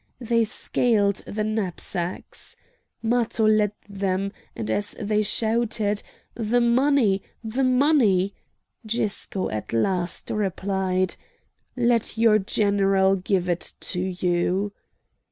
They scaled the knapsacks. Matho led them, and as they shouted "The money! the money!" Gisco at last replied: "Let your general give it to you!"